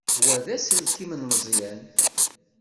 Wa d aselkim n Meẓyan.